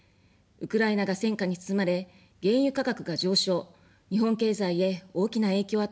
ウクライナが戦火に包まれ、原油価格が上昇、日本経済へ大きな影響を与えています。